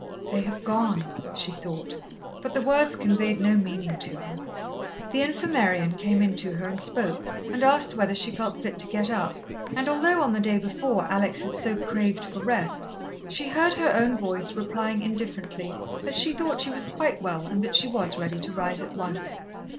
"They have gone," she thought, but the words conveyed no meaning to her. The Infirmarian came in to her and spoke, and asked whether she felt fit to get up, and although on the day before Alex had so craved for rest, she heard her own voice replying indifferently that she thought she was quite well, and that she was ready to rise at once.